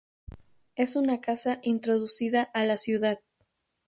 Es una casa "introducida a la ciudad".